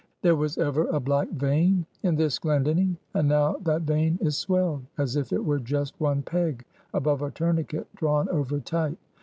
"There was ever a black vein in this Glendinning; and now that vein is swelled, as if it were just one peg above a tourniquet drawn over tight.